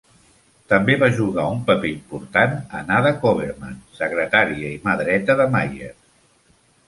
També va jugar un paper important Anada Koverman, secretària i "mà dreta" de Mayer.